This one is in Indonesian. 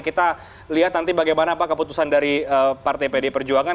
kita lihat nanti bagaimana pak keputusan dari partai pd perjuangan